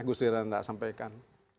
gusti randa sampaikan